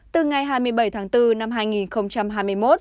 từ ngày hai mươi bảy tháng bốn năm hai nghìn hai mươi một